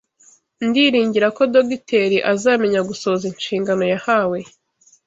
Ndiringira ko Dogiteri azamenya gusohoza inshingano yahawe